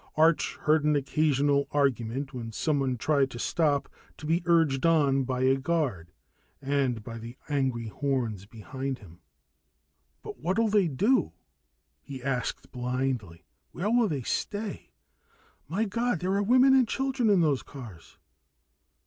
Arch heard an occasional argument when someone tried to stop, to be urged on by a guard and by the angry horns behind him. "But what'll they do?" he asked blindly. "Where will they stay? My God, there are women and children in those cars!"